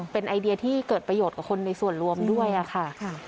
เป็นไอเดียที่เกิดประโยชน์กับคนในส่วนรวมด้วยค่ะ